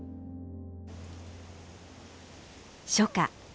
初夏。